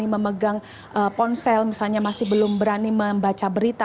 assekretario federa juga memang sangatgsing